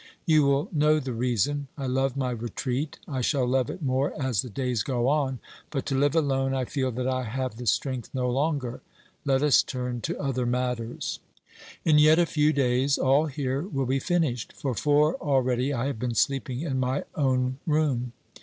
You will know the reason. I love my retreat ; I shall love it more as the days go on, but to live alone I feel that I have the strength no longer. Let us turn to other matters. In yet a few days all here will be finished. For four already I have been sleeping in my own room.